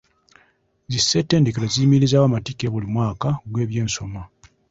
Zi ssettendekero ziyimirizaawo amattikira buli mwaka gw'ebyensoma.